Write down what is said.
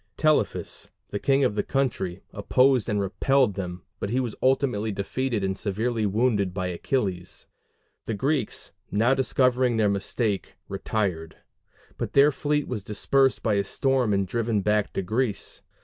Telephus, the king of the country, opposed and repelled them, but was ultimately defeated and severely wounded by Achilles. The Greeks, now discovering their mistake, retired; but their fleet was dispersed by a storm and driven back to Greece.